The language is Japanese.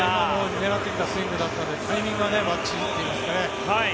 狙ってきたスイングだったのでタイミングはばっちりといいますかね。